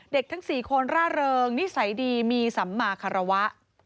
ทั้ง๔คนร่าเริงนิสัยดีมีสัมมาคารวะ